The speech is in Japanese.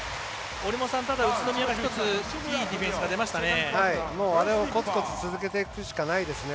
折茂さん、宇都宮が１ついいディフェンスが出ましたね。